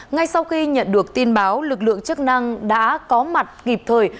ngay sau khi nhận được tin báo lực lượng chức năng đã có mặt kịp thời